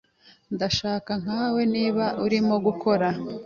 Ndashaka ikawa niba urimo gukora.